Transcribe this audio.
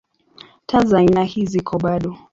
Taa za aina ii ziko bado.